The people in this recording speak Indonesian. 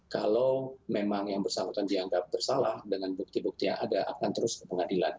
kalau memang yang bersangkutan dianggap bersalah dengan bukti bukti yang ada akan terus ke pengadilan